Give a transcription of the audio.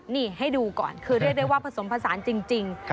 นี่ให้ดูก่อนคือเรียกได้ว่าผสมผสานจริง